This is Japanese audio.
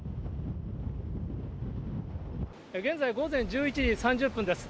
現在、午前１１時３０分です。